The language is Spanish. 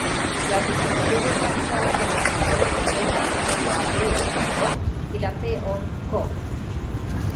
Las disposiciones más usadas en locomotoras modernas son la Bo′Bo′ y la Co′Co′.